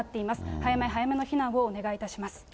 早め早めの避難をお願いいたします。